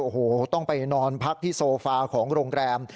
โอ้โหต้องไปนอนพักที่โซฟาของโรงแรม